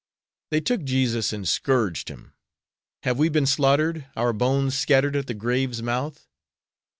'They took Jesus and scourged Him.' Have we been slaughtered, our bones scattered at the graves' mouth?